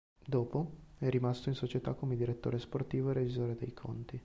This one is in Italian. Dopo, è rimasto in società come direttore sportivo e revisore dei conti.